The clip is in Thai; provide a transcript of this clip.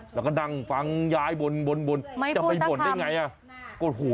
แล้วก็นั่งฟังยายบ่นจะไปบ่นได้ไงไม่พูดสักคำ